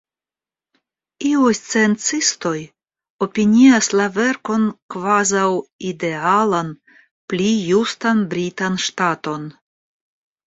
Iuj sciencistoj opinias la verkon kvazaŭ idealan, pli justan britan ŝtaton.